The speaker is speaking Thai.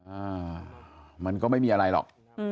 อ่ามันก็ไม่มีอะไรหรอก